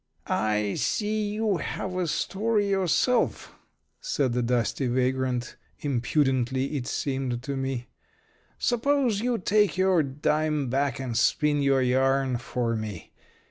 "I see you have a story yourself," said the dusty vagrant impudently, it seemed to me. "Suppose you take your dime back and spin your yarn for me.